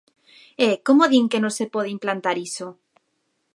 E ¡como din que non se pode implantar iso!